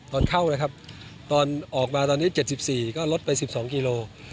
ตอนเข้านะครับตอนออกมาตอนนี้เจ็ดสิบสี่ก็ลดไปสิบสองกิโลกรัม